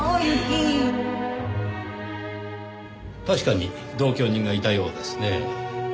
確かに同居人がいたようですねぇ。